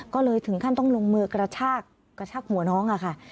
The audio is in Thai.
ก็เลยถึงขั้นต้องลงมือกระชากกระชากหัวน้องค่ะ